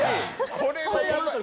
「これはやばい！」